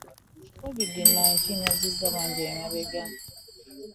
covid nineteen azzizza bangi emabega.